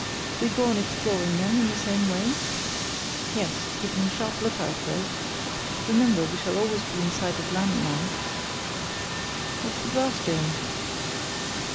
"We go on exploring, then, in the same way?" "Yes; keeping a sharp look out, though. Remember, we shall always be in sight of land now." "What's the glass doing?"